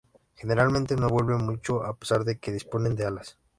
Generalmente no vuelan mucho a pesar de que disponen de alas.